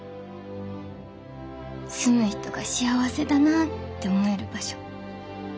住む人が幸せだなぁって思える場所。